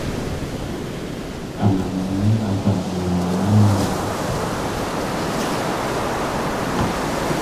A ngan a dam ngaingai.